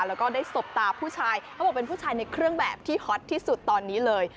แล้วก็ได้สบตาผู้ชายเขาบอกเป็นผู้ชายในเครื่องแบบที่ฮอตที่สุดตอนนี้เลย